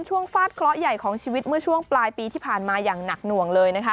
ฟาดเคราะห์ใหญ่ของชีวิตเมื่อช่วงปลายปีที่ผ่านมาอย่างหนักหน่วงเลยนะคะ